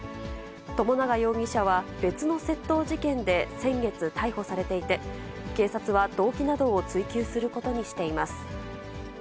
友永容疑者は別の窃盗事件で先月逮捕されていて、警察は動機などを追及することにしています。